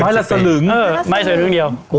ไม้ลาสสริงเดียว